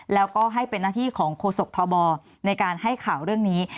แล้วก็ให้เป็นหน้าที่ของโฆษกทบในการให้ข่าวเรื่องนี้